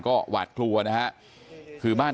ผู้ชมครับท่าน